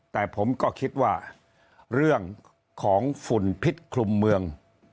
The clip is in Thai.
แต่ผมก็คิดว่าเรื่องของฝุ่นพิษคลุมเมือง